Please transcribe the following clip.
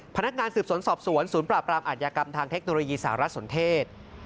พนักงานสืบสวนสอบสวนศูนย์ปราบรามอาทยากรรมทางเทคโนโลยีสหรัฐสนเทศ